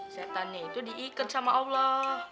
setannya itu diikat sama allah